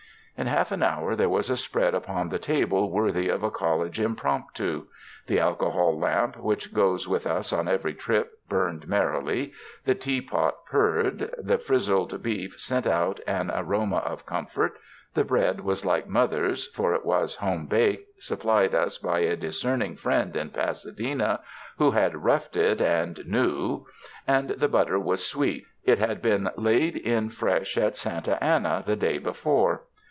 In half an hour there was a spread upon the table worthy of a college impromptu. The alcohol lamp which goes with us on every trip, burned merrily; the tea pot purred; the frizzled beef sent out an aroma of comfort; the bread was like mother's, for it was home baked, supplied us by a discerning friend in Pasadena who had "roughed it" and knew; and the butter was sweet — it had been laid in fresh at Santa Ana, the day before.